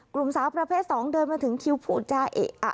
กลุ่มสาวประเภท๒เดินมาถึงคิวพูจาเอกะ